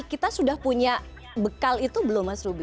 kita sudah punya bekal itu belum mas ruby